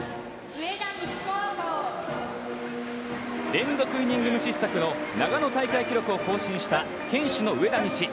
連続イニング無失策の長野大会記録を更新した堅守の上田西。